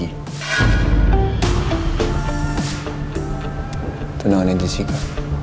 itu namanya jessica